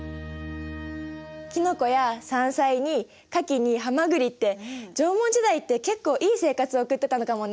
キノコや山菜にカキにハマグリって縄文時代って結構いい生活を送ってたのかもね。